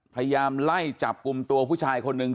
พยายามไล่จับกลุ่มตัวผู้ชายคนหนึ่ง